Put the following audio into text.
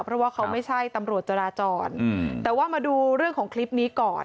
เพราะว่าเขาไม่ใช่ตำรวจจราจรแต่ว่ามาดูเรื่องของคลิปนี้ก่อน